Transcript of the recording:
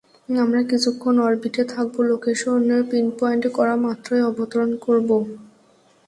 আমরা কিছুক্ষণ অরবিটে থাকব, লোকেশন পিনপয়েন্ট করা মাত্রই অবতরন করব।